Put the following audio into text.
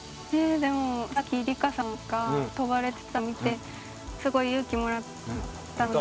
でもさっき梨加さんが飛ばれてたのを見てすごい勇気もらったので。